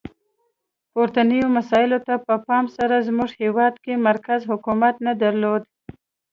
پورتنیو مسایلو ته په پام سره زموږ هیواد کې مرکزي حکومت نه درلود.